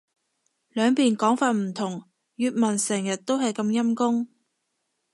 兩邊講法唔同。粵文成日都係咁陰功